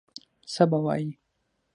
څه به وایي.